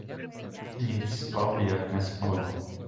Ніч спав, як не спав.